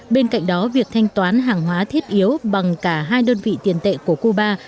bên cạnh đó việc thanh toán hàng hóa thiết yếu bằng cả hai đơn vị tiền tệ của cuba